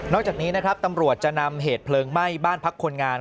จากนี้นะครับตำรวจจะนำเหตุเพลิงไหม้บ้านพักคนงาน